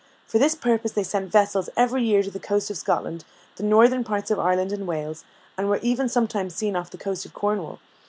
For this purpose they sent vessels every year to the coast of Scotland, the northern parts of Ireland, and Wales, and were even sometimes seen off the coast of Cornwall.